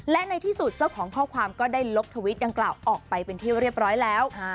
และในที่สุดเจ้าของข้อความก็ได้ลบทวิตดังกล่าวออกไปเป็นที่เรียบร้อยแล้ว